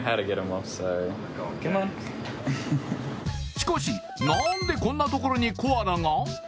しかし、なんでこんなところにコアラが？